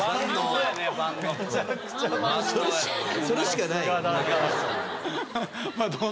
それしかないもう。